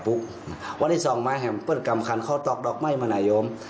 ภายในสองมายมเพิ่งกำคันเขาสต็อกดอกไม้มานายอม